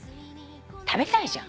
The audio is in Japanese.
食べたいじゃん。